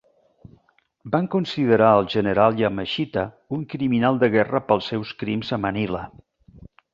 Van considerar el general Yamashita un criminal de guerra pels seus crims a Manila.